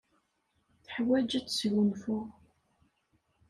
Teḥwaj ad tesgunfu.